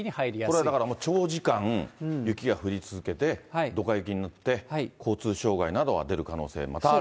これだから、長時間、雪が降り続けて、どか雪になって、交通障害などが出る可能性が、またあるという。